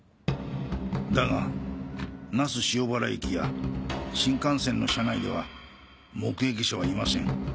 だが那須塩原駅や新幹線の車内では目撃者はいません。